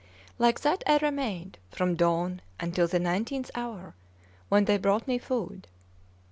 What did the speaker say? Like that I remained from dawn until the nineteenth hour, when they brought my food.